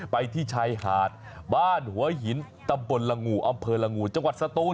ไปที่ชายหาดบ้านหัวหินตำบลละงูอำเภอละงูจังหวัดสตูน